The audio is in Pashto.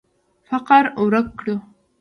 فقر ورک کړو.